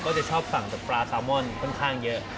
จะชอบสั่งปลาซาวมอนค่อนข้างเยอะ